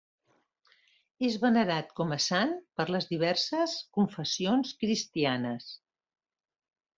És venerat com a sant per les diverses confessions cristianes.